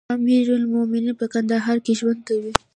امير المؤمنين په کندهار کې ژوند کوي.